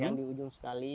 yang di ujung sekali